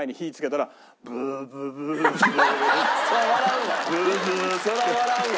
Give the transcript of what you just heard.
そら笑うわ。